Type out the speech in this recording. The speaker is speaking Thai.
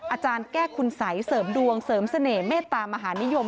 อาจารย์แก้คุณสัยเสริมดวงเสริมเสน่ห์เมตตามหานิยม